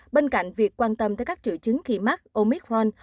bên cạnh việc quan tâm tới các triệu chứng khi mắc omicron